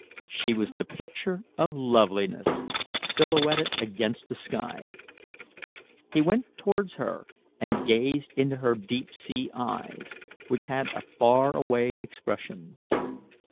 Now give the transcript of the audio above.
She was the picture of loveliness silhouetted against the sky. He went towards her, and gazed into her deep sea eyes, which had a far away expression.